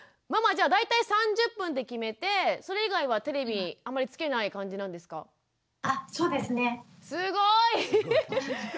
ママじゃあ大体３０分って決めてそれ以外はテレビあんまりつけない感じなんですか？